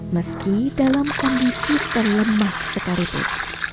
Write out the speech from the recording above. meski dalam kondisi terlemah sekalipun